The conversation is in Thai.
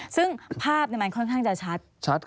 ซึ่งภาพมันค่อนข้างจะชัด